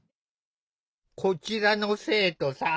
こちらの生徒さん